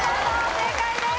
正解です。